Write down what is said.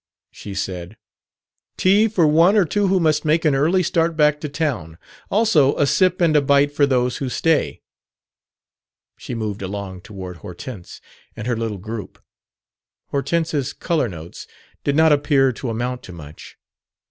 she said. "Tea for one or two who must make an early start back to town. Also a sip and a bite for those who stay." She moved along toward Hortense and her little group. Hortense's "color notes" did not appear to amount to much.